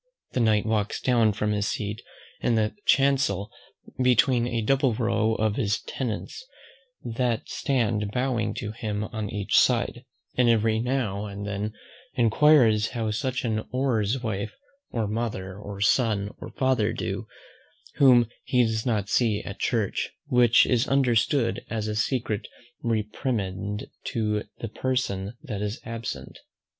The Knight walks down from his seat in the chancel between a double row of his tenants, that stand bowing to him on each side; and every now and then enquires how such an one's wife, or mother, or son, or father do, whom he does not see at church; which is understood as a secret reprimand to the person that is absent.